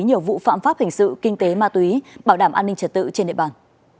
nhiều vụ phạm pháp hình sự kinh tế ma túy bảo đảm an ninh trật tự trên địa bàn